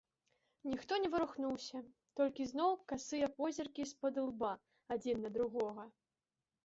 Ніхто не варухнуўся, толькі зноў касыя позіркі спадылба адзін на другога.